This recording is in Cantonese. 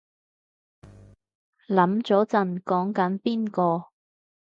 諗咗陣講緊邊個